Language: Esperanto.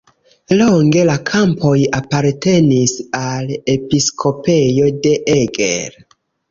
Longe la kampoj apartenis al episkopejo de Eger.